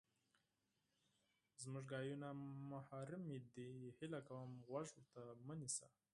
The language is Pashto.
زمونږ خبرې محرمې دي، هیله کوم غوږ ورته مه نیسه!